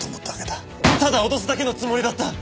ただ脅すだけのつもりだった！